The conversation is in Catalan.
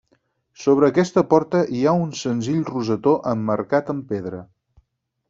Sobre aquesta porta hi ha un senzill rosetó emmarcat amb pedra.